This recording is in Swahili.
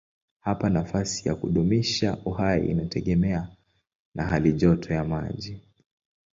Hapa nafasi ya kudumisha uhai inategemea na halijoto ya maji.